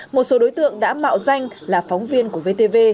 một số đối tượng đã mạo danh là phóng viên của vtv